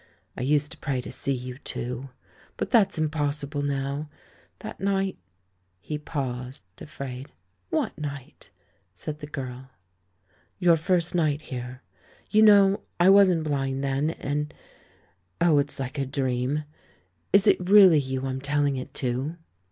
I used to pray to see you, too. But that's impos sible now. That night " He paused, afraid. "What night?" said the girl. "Your first night here. You know, I wasn't blind then, and Oh, it's like a dream! Is it really you I'm telling it to?"